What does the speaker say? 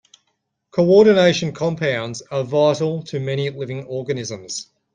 Coordination compounds are vital to many living organisms.